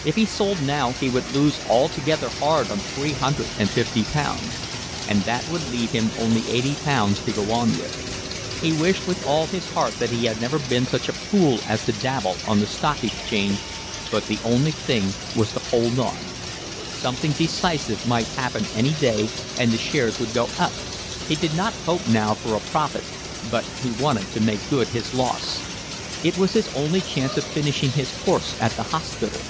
If he sold now he would lose altogether hard on three hundred and fifty pounds; and that would leave him only eighty pounds to go on with. He wished with all his heart that he had never been such a fool as to dabble on the Stock Exchange, but the only thing was to hold on; something decisive might happen any day and the shares would go up; he did not hope now for a profit, but he wanted to make good his loss. It was his only chance of finishing his course at the hospital.